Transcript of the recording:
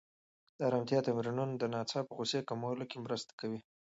د ارامتیا تمرینونه د ناڅاپه غوسې کمولو کې مرسته کوي.